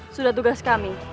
sudah tugas kami